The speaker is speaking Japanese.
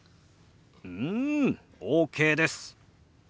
うんＯＫです。